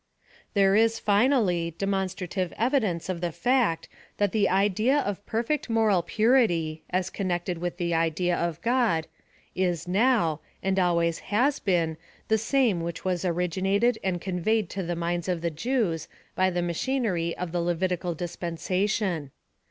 There is, finally, demonstrative evidence of the fiict, that the idea of perfect moral purity, as connect ed with the idea of God, is noio^ and always has been the same which was originated and conveyed to the minds of the Jews by the machinery of the Levitical dispensation.